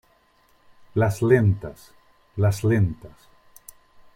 las lentas . las lentas .